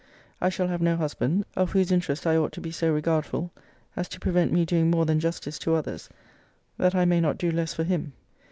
I shall have no husband, of whose interest I ought to be so regardful, as to prevent me doing more than justice to others, that I may not do less for him.